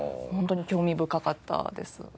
本当に興味深かったです。